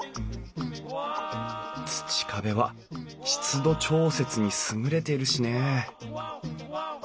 土壁は湿度調節に優れているしね